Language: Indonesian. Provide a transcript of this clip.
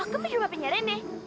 aku mencoba pencarian nih